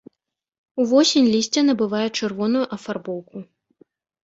Увосень лісце набывае чырвоную афарбоўку.